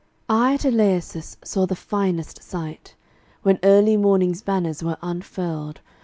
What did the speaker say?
I, at Eleusis, saw the finest sight, When early morning's banners were unfurled.